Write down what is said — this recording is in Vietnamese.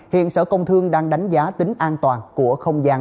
hiện sở công thương đang đánh giá tính an toàn của các công thương